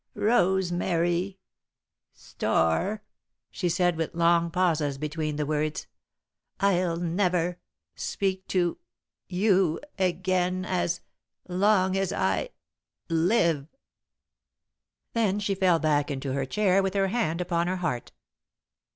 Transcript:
"Rosemary Starr," she said, with long pauses between the words, "I'll never speak to you again as long as I live." Then she fell back into her chair, with her hand upon her heart.